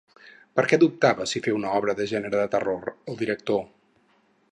Per què dubtava si fer una obra de gènere de terror, el director?